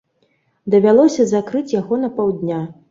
Давялося закрыць яго на паўдня.